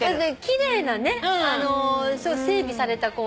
奇麗なね整備された公園で。